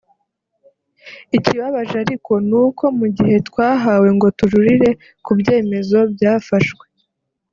Ikibabaje ariko ni uko mu gihe twahawe ngo tujurire ku byemezo byafashwe